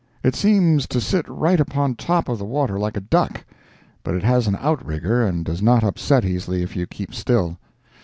It seems to sit right upon top of the water like a duck, but it has an outrigger and does not upset easily if you keep still.